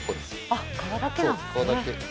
あっ皮だけなんですね。